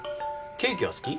ケーキは好き？